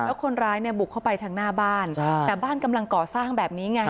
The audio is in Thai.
แล้วคนร้ายเนี่ยบุกเข้าไปทางหน้าบ้านแต่บ้านกำลังก่อสร้างแบบนี้ไง